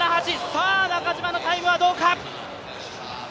さあ中島のタイムはどうか？